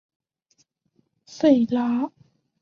弗拉奥维奇在国家队也是常客。